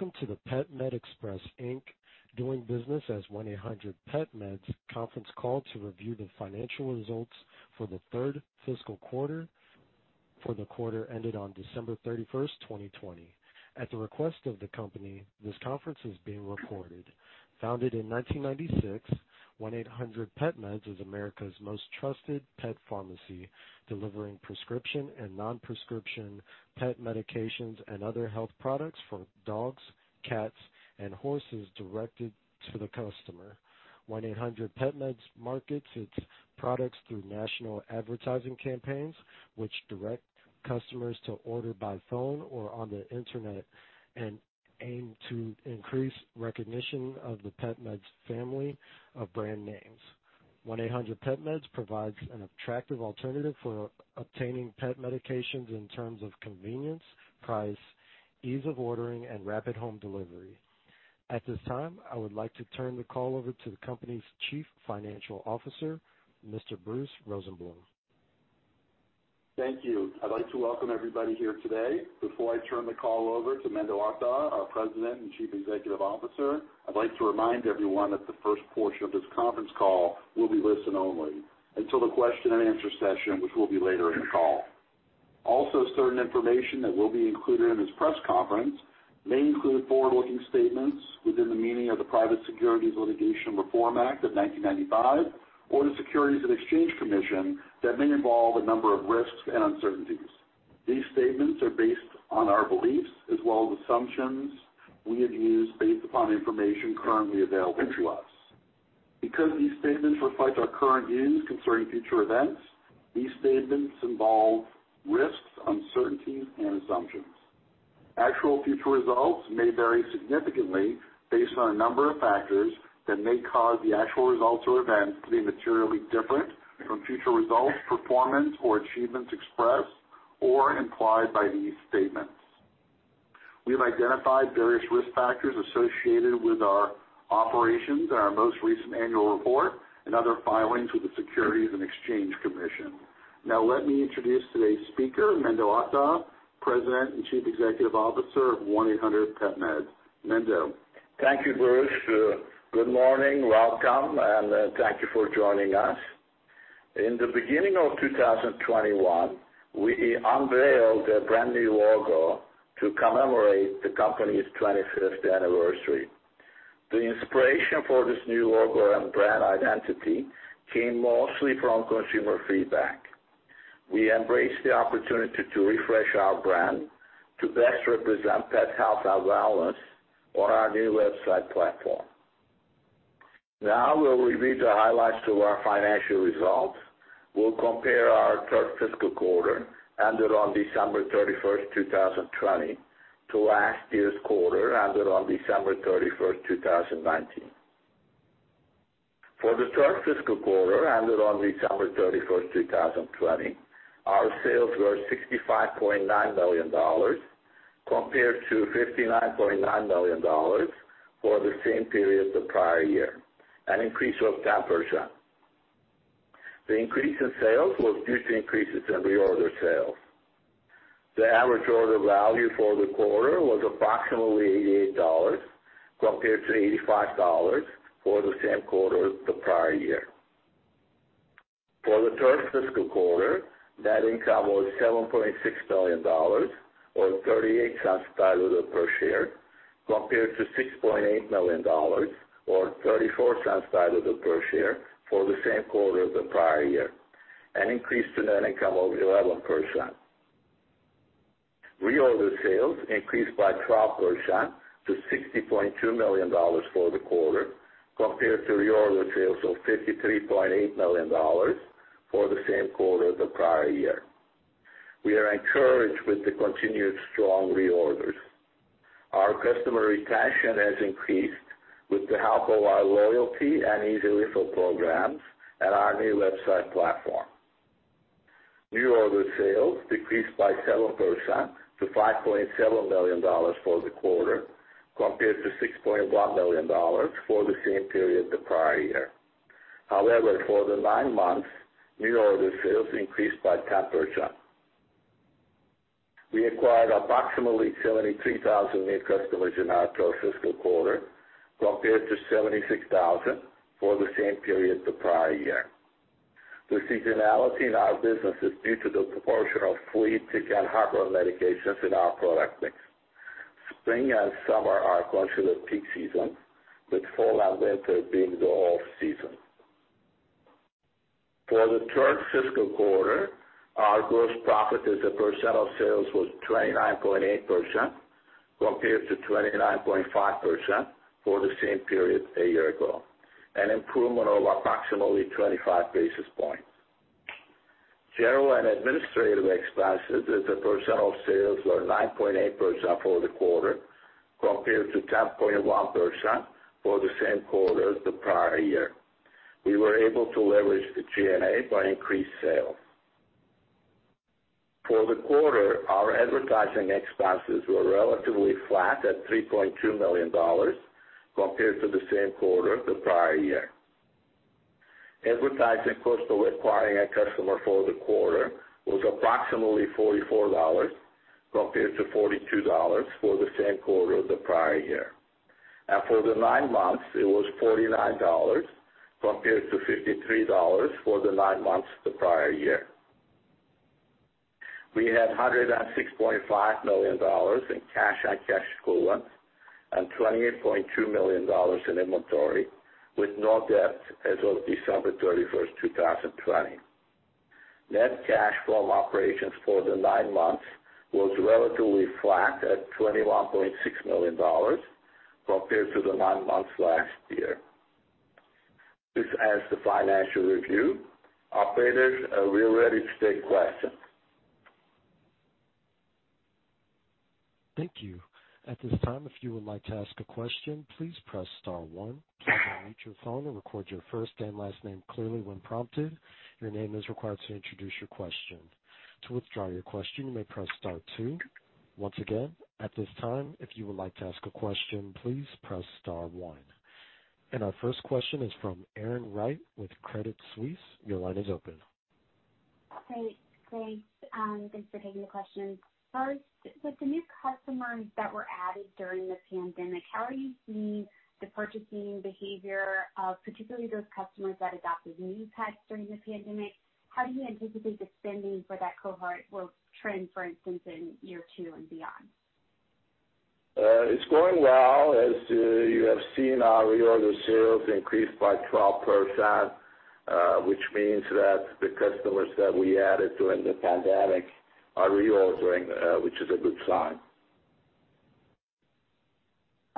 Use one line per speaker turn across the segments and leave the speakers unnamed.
Welcome to the PetMed Express Inc. doing business as 1-800-PetMeds conference call to review the financial results for the third fiscal quarter for the quarter ended on December 31st, 2020. At the request of the company, this conference is being recorded. Founded in 1996, 1-800-PetMeds is America's most trusted pet pharmacy, delivering prescription and non-prescription pet medications and other health products for dogs, cats, and horses directed to the customer. 1-800-PetMeds markets its products through national advertising campaigns, which direct customers to order by phone or on the internet and aim to increase recognition of the PetMeds family of brand names. 1-800-PetMeds provides an attractive alternative for obtaining pet medications in terms of convenience, price, ease of ordering, and rapid home delivery. At this time, I would like to turn the call over to the company's Chief Financial Officer, Mr. Bruce Rosenbloom.
Thank you. I'd like to welcome everybody here today. Before I turn the call over to Menderes Akdag, our President and Chief Executive Officer, I'd like to remind everyone that the first portion of this conference call will be listen only until the question and answer session, which will be later in the call. Also, certain information that will be included in this press conference may include forward-looking statements within the meaning of the Private Securities Litigation Reform Act of 1995 or the Securities and Exchange Commission that may involve a number of risks and uncertainties. These statements are based on our beliefs as well as assumptions we have used based upon information currently available to us. Because these statements reflect our current views concerning future events, these statements involve risks, uncertainties and assumptions. Actual future results may vary significantly based on a number of factors that may cause the actual results or events to be materially different from future results, performance or achievements expressed or implied by these statements. We have identified various risk factors associated with our operations in our most recent annual report and other filings with the Securities and Exchange Commission. Now let me introduce today's speaker, Menderes Akdag, President and Chief Executive Officer of 1-800-PetMeds. Mendo.
Thank you, Bruce. Good morning, welcome and thank you for joining us. In the beginning of 2021, we unveiled a brand-new logo to commemorate the company's 25th anniversary. The inspiration for this new logo and brand identity came mostly from consumer feedback. We embraced the opportunity to refresh our brand to best represent pet health and wellness on our new website platform. Now we'll review the highlights to our financial results. We'll compare our third fiscal quarter ended on December 31st, 2020 to last year's quarter ended on December 31st, 2019. For the third fiscal quarter ended on December 31st, 2020, our sales were $65.9 million compared to $59.9 million for the same period the prior year, an increase of 10%. The increase in sales was due to increases in reorder sales. The average order value for the quarter was approximately $88 compared to $85 for the same quarter the prior year. For the third fiscal quarter, net income was $7.6 million or $0.38 diluted per share, compared to $6.8 million or $0.34 diluted per share for the same quarter the prior year, an increase to net income of 11%. Reorder sales increased by 12% to $60.2 million for the quarter, compared to reorder sales of $53.8 million for the same quarter the prior year. We are encouraged with the continued strong reorders. Our customer retention has increased with the help of our loyalty and easy refill programs and our new website platform. New order sales decreased by 7% to $5.7 million for the quarter, compared to $6.1 million for the same period the prior year. However, for the nine months, new order sales increased by 10%. We acquired approximately 73,000 new customers in our third fiscal quarter compared to 76,000 for the same period the prior year. The seasonality in our business is due to the proportion of flea, tick, and heartworm medications in our product mix. Spring and summer are considered peak season with fall and winter being the off-season. For the third fiscal quarter, our gross profit as a percent of sales was 29.8%, compared to 29.5% for the same period a year ago, an improvement of approximately 25 basis points. General and administrative expenses as a percent of sales were 9.8% for the quarter compared to 10.1% for the same quarter the prior year. We were able to leverage the G&A by increased sales. For the quarter, our advertising expenses were relatively flat at $3.2 million compared to the same quarter the prior year. Advertising cost for acquiring a customer for the quarter was approximately $44 compared to $42 for the same quarter of the prior year. For the nine months, it was $49 compared to $53 for the nine months the prior year. We had $106.5 million in cash and cash equivalents and $28.2 million in inventory, with no debt as of December 31st, 2020. Net cash from operations for the nine months was relatively flat at $21.6 million compared to the nine months last year. This ends the financial review. Operator, we are ready to take questions.
Thank you. At this time, if you would like to ask a question, please press star one. To mute your phone and record your first and last name clearly when prompted. Your name is required to introduce your question. To withdraw your question, you may press star two. Once again, at this time, if you would like to ask a question, please press star one. Our first question is from Erin Wright with Credit Suisse. Your line is open.
Great. Thanks for taking the question. First, with the new customers that were added during the pandemic, how are you seeing the purchasing behavior of particularly those customers that adopted new pets during the pandemic? How do you anticipate the spending for that cohort will trend, for instance, in year two and beyond?
It's going well. As you have seen, our reorder sales increased by 12%, which means that the customers that we added during the pandemic are reordering, which is a good sign.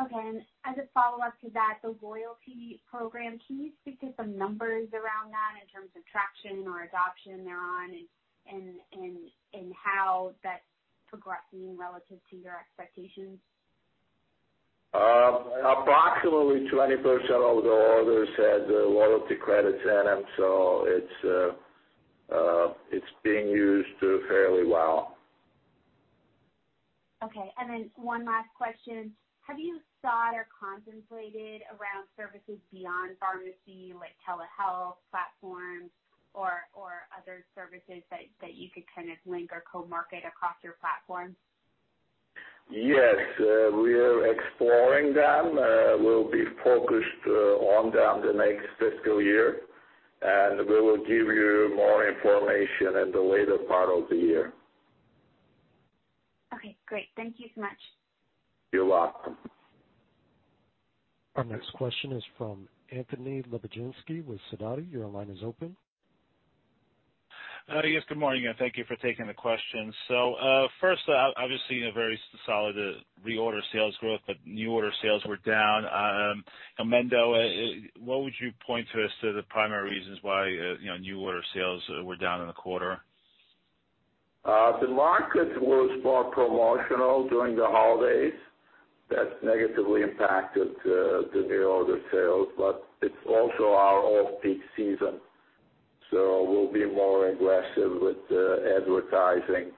As a follow-up to that, the loyalty program, can you speak to some numbers around that in terms of traction or adoption thereon and how that's progressing relative to your expectations?
Approximately 20% of the orders has loyalty credits in them. It's being used fairly well.
Okay. Then one last question. Have you thought or contemplated around services beyond pharmacy, like telehealth platforms or other services that you could link or co-market across your platform?
Yes, we are exploring them. We'll be focused on them the next fiscal year, we will give you more information in the later part of the year.
Okay, great. Thank you so much.
You're welcome.
Our next question is from Anthony Lebiedzinski with Sidoti. Your line is open.
Yes, good morning, and thank you for taking the question. First, obviously, a very solid reorder sales growth, but new order sales were down. Mendo, what would you point to as the primary reasons why new order sales were down in the quarter?
The market was more promotional during the holidays. That negatively impacted the new order sales, but it's also our off-peak season. We'll be more aggressive with advertising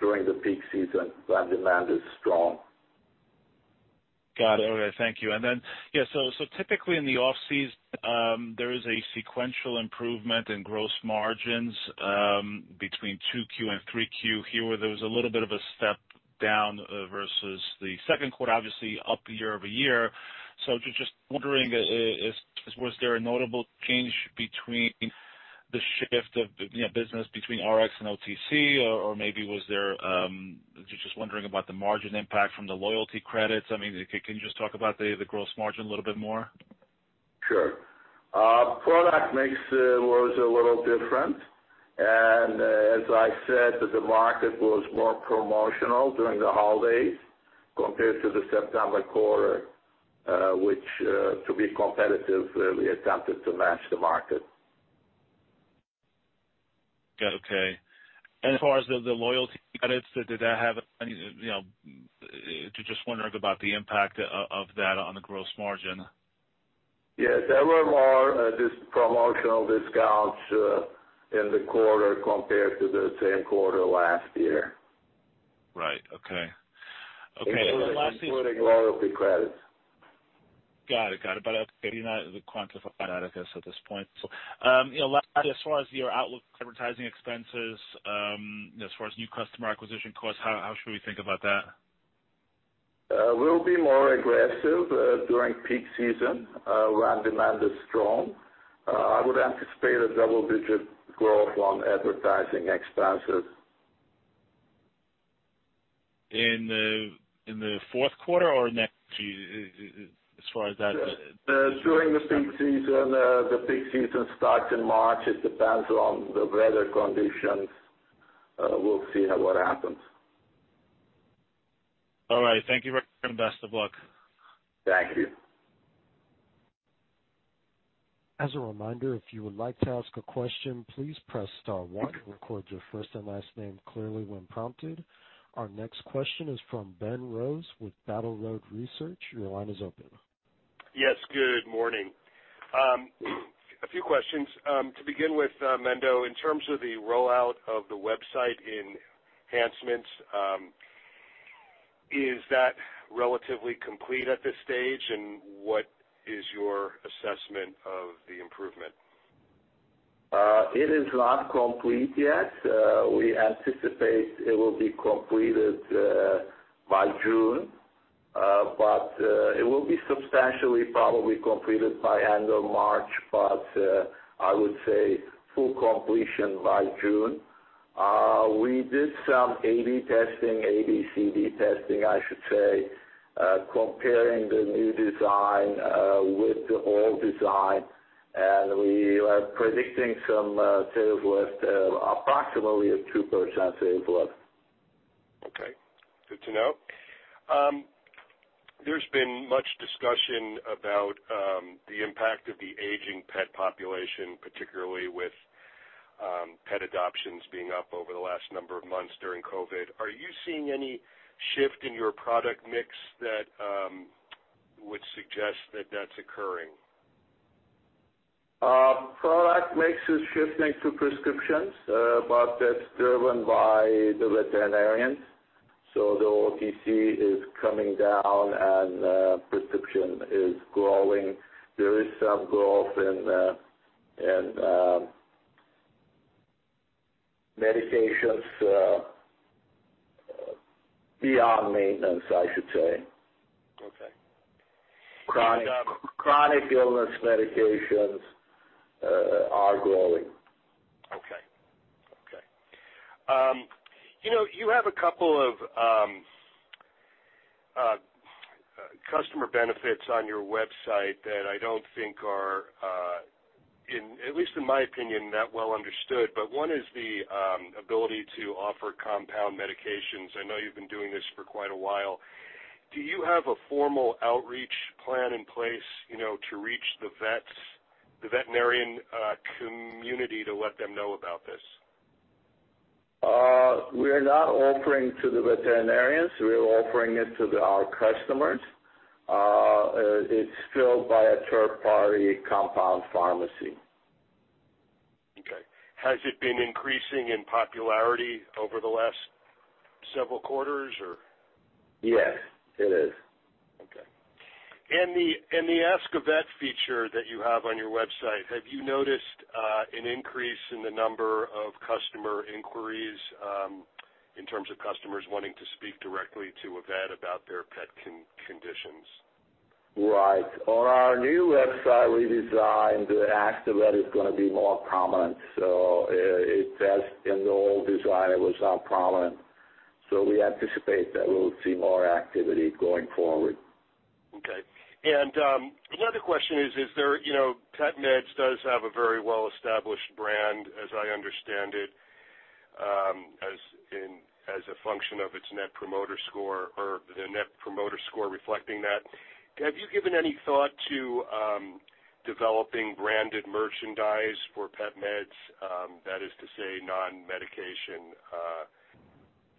during the peak season when demand is strong.
Got it. Okay, thank you. Typically in the off-season, there is a sequential improvement in gross margins between 2Q and 3Q. Here, there was a little bit of a step down versus the second quarter, obviously up year-over-year. Just wondering, was there a notable change between the shift of business between Rx and OTC? Or maybe, just wondering about the margin impact from the loyalty credits. Can you just talk about the gross margin a little bit more?
Sure. Product mix was a little different. As I said, the market was more promotional during the holidays compared to the September quarter, which, to be competitive, we attempted to match the market.
Okay. As far as the loyalty credits, just wondering about the impact of that on the gross margin.
Yes, there were more promotional discounts in the quarter compared to the same quarter last year.
Right. Okay. Okay.
Including loyalty credits.
Got it. Maybe not the quantified data, I guess, at this point. Last, as far as your outlook for advertising expenses, as far as new customer acquisition costs, how should we think about that?
We'll be more aggressive during peak season when demand is strong. I would anticipate a double-digit growth on advertising expenses.
In the fourth quarter or next year, as far as that?
During the peak season. The peak season starts in March. It depends on the weather conditions. We'll see what happens.
All right. Thank you very much, and best of luck.
Thank you.
As a reminder, if you would like to ask a question, please press star one. Record your first and last name clearly when prompted. Our next question is from Ben Rose with Battle Road Research. Your line is open.
Yes, good morning. A few questions. To begin with, Mendo, in terms of the rollout of the website enhancements? Is that relatively complete at this stage? What is your assessment of the improvement?
It is not complete yet. We anticipate it will be completed by June, but it will be substantially probably completed by end of March, but I would say full completion by June. We did some A/B testing, A/B/C/D testing, I should say, comparing the new design with the old design. We are predicting some sales lift, approximately a 2% sales lift.
Okay, good to know. There's been much discussion about the impact of the aging pet population, particularly with pet adoptions being up over the last number of months during COVID. Are you seeing any shift in your product mix that would suggest that that's occurring?
Product mix is shifting to prescriptions, but that's driven by the veterinarians. The OTC is coming down and prescription is growing. There is some growth in medications beyond maintenance, I should say.
Okay.
Chronic illness medications are growing.
Okay. You have a couple of customer benefits on your website that I don't think are, at least in my opinion, that well understood. One is the ability to offer compounded medications. I know you've been doing this for quite a while. Do you have a formal outreach plan in place to reach the veterinarian community to let them know about this?
We are not offering to the veterinarians. We are offering it to our customers. It's filled by a third-party compound pharmacy.
Okay. Has it been increasing in popularity over the last several quarters?
Yes, it is.
Okay. The Ask a Vet feature that you have on your website, have you noticed an increase in the number of customer inquiries in terms of customers wanting to speak directly to a vet about their pet conditions?
Right. On our new website redesign, the Ask a Vet is going to be more prominent. It says in the old design it was not prominent. We anticipate that we'll see more activity going forward.
Okay. The other question is, PetMeds does have a very well-established brand, as I understand it, as a function of its Net Promoter Score, or the Net Promoter Score reflecting that. Have you given any thought to developing branded merchandise for PetMeds? That is to say, non-medication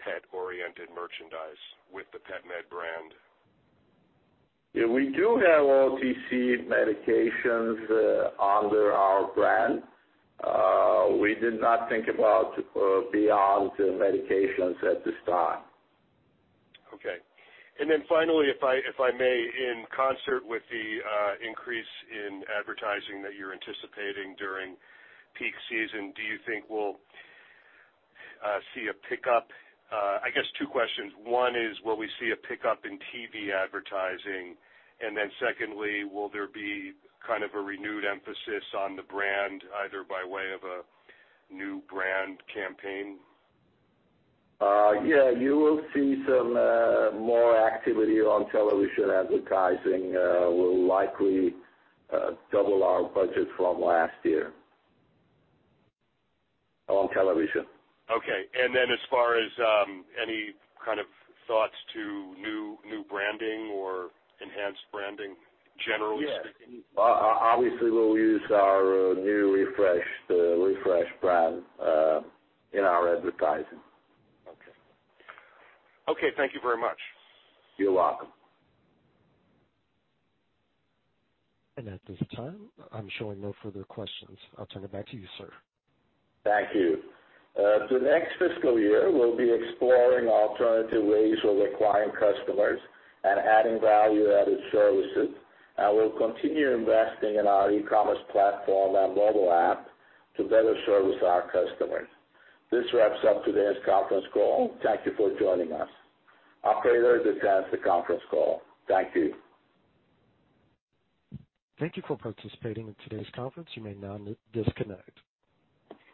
pet-oriented merchandise with the PetMed brand.
We do have OTC medications under our brand. We did not think about beyond medications at this time.
Finally, if I may, in concert with the increase in advertising that you're anticipating during peak season, I guess two questions. One is, will we see a pickup in TV advertising? Secondly, will there be kind of a renewed emphasis on the brand, either by way of a new brand campaign?
You will see some more activity on television advertising. We'll likely double our budget from last year on television.
As far as any kind of thoughts to new branding or enhanced branding, generally speaking?
Yes. Obviously, we'll use our new, refreshed brand in our advertising.
Okay. Thank you very much.
You're welcome.
At this time, I'm showing no further questions. I'll turn it back to you, sir.
Thank you. The next fiscal year, we'll be exploring alternative ways of acquiring customers and adding value-added services. We'll continue investing in our e-commerce platform and mobile app to better service our customers. This wraps up today's conference call. Thank you for joining us. Operator, this ends the conference call. Thank you.
Thank you for participating in today's conference. You may now disconnect.